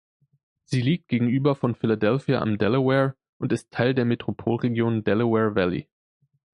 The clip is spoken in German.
Sie liegt gegenüber von Philadelphia am Delaware und ist Teil der Metropolregion Delaware Valley.